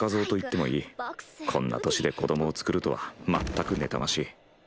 こんな年で子供を作るとは全く妬ましい。